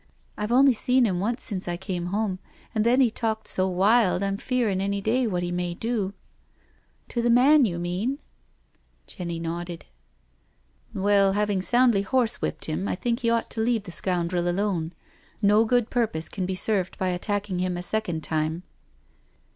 I've only seen him once since I came home, and then he talked so wild I'm fearing any day what he may do." "To the man, you mean?'* 304 NO SURRENDER Jenny nodded. " Well, having soundly horse whipped him, I think he ought to leave the scoundrel alone—no good purpose can be served by attacking him a second time."